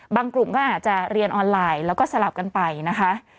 กลุ่มก็อาจจะเรียนออนไลน์แล้วก็สลับกันไปนะคะ